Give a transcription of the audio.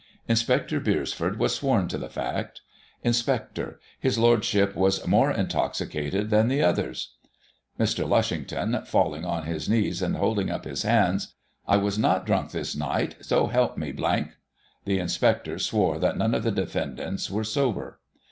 Inspector Beresford was sworn to the fact Inspector: His Lordship was more intoxicated than the others. Digitized by Google 1837] A POLICE CASE. ii Mr. Lushington (falling on his knees, and holding up his hands) : I was not drunk this night — so help me, C ^t. The Inspector swore that none of the defendants were sober.